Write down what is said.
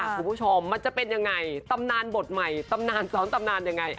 คุณผู้ชมมันจะเป็นยังไงตำนานบทใหม่ตำนานซ้อนตำนานยังไง